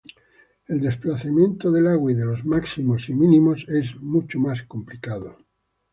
El desplazamiento del agua y de los máximos y mínimos es mucho más complicado.